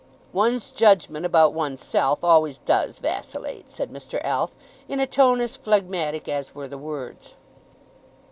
"One's judgment about one's self always does vacillate," said Mr. Alf in a tone as phlegmatic as were the words.